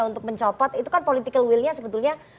untuk mencopot itu kan political will nya sebetulnya